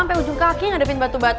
sampai ujung kaki ngadepin batu batu